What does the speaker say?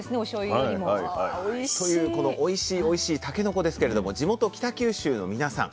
というこのおいしいおいしいたけのこですけれども地元北九州の皆さん